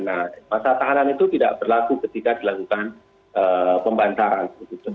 nah masa tahanan itu tidak berlaku ketika dilakukan pembantaran